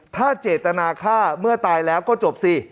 ถ้าเจตนาฆ่าเมื่อตายแล้วก็จบสิ